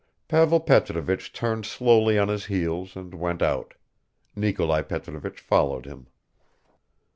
Pavel Petrovich turned slowly on his heels and went out; Nikolai Petrovich followed him.